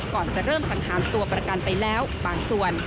ก่อนจะเริ่มสังหารตัวประกันไปแล้วบางส่วน